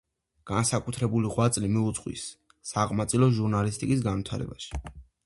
განსაკუთრებული ღვაწლი მიუძღვის საყმაწვილო ჟურნალისტიკის განვითარებაში.